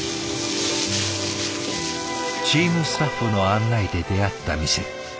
チームスタッフの案内で出会った店。